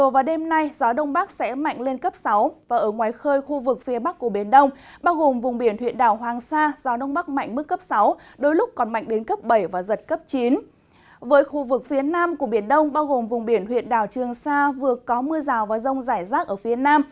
khi gió đông bắc thiếu mạnh cấp năm có lúc cấp sáu khiến cho biển động trở lại